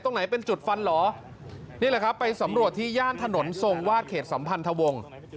ตรงไหนเป็นจุดฟันเหรอนี่แหละครับไปสำรวจที่ย่านถนนทรงวาดเขตสัมพันธวงศ์